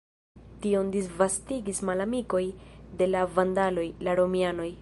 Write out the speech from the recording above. Tion disvastigis malamikoj de la vandaloj, la romianoj.